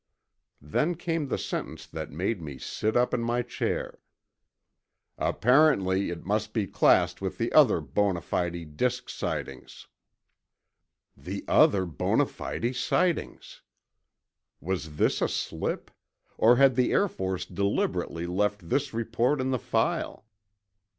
'" Then came the sentence that made me sit up in my chair. "Apparently it must be classed with the other bona fide disk sightings." The other bona fide sightings! Was this a slip? Or had the Air Force deliberately left this report in the file?